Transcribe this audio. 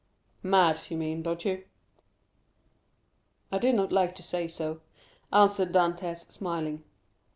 "Mad, you mean, don't you?" "I did not like to say so," answered Dantès, smiling.